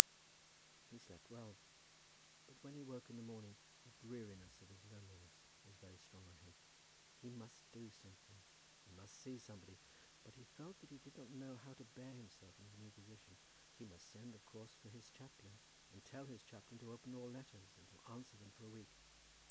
He slept well, but when he woke in the morning the dreariness of his loneliness was very strong on him. He must do something, and must see somebody, but he felt that he did not know how to bear himself in his new position. He must send of course for his chaplain, and tell his chaplain to open all letters and to answer them for a week.